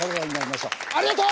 ありがとう！